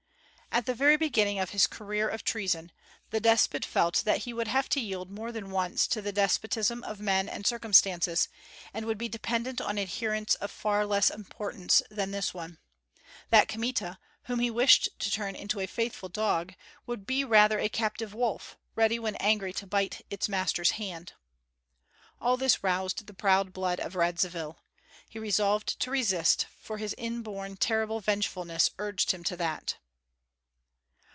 At the very beginning of his career of treason, the despot felt that he would have to yield more than once to the despotism of men and circumstances, and would be dependent on adherents of far less importance than this one; that Kmita, whom he wished to turn into a faithful dog, would be rather a captive wolf, ready when angry to bite its master's hand. All this roused the proud blood of Radzivill. He resolved to resist, for his inborn terrible vengefulness urged him to that.